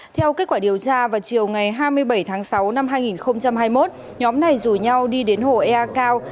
theo kết quả điều tra vào chiều ngày hai mươi bảy tháng sáu năm hai nghìn hai mươi một nhóm này rủ nhau đi đến hồ ea cao